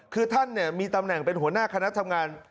คือท่านมีตำแหน่งเป็นหัวหน้าคณะทำงาน